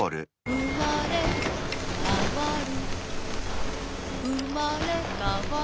「うまれかわる」